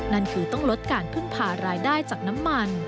นั่นคือต้องลดการพึ่งพารายได้จากน้ำมัน